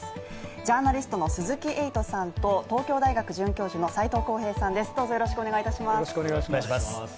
じゃなーリストの鈴木エイトさんと東京大学准教授の斎藤幸平さんです。